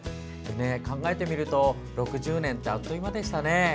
考えてみると、６０年ってあっという間でしたね。